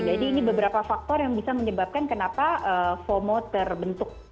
jadi ini beberapa faktor yang bisa menyebabkan kenapa fomo terbentuk